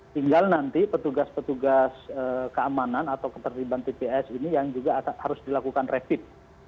tinggal nanti petugas petugas keamanan atau ketertiban tps ini yang juga harus dilakukan rapid